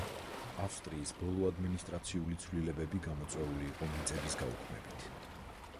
ავსტრიის ბოლო ადმინისტრაციული ცვლილებები გამოწვეული იყო მიწების გაუქმებით.